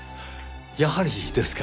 やはりですか。